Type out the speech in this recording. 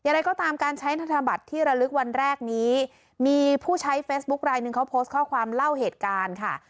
อะไรก็ตามการใช้ธนบัตรที่ระลึกวันแรกนี้มีผู้ใช้เฟซบุ๊คไลนึงเขาโพสต์ข้อความเล่าเหตุการณ์ค่ะ